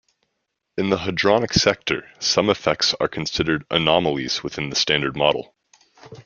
In the hadronic sector, some effects are considered anomalies within the Standard Model.